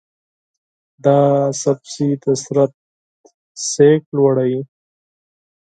دا سبزی د بدن انرژي لوړوي.